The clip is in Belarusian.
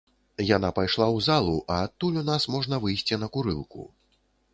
Яна пайшла ў залу, а адтуль у нас можна выйсці на курылку.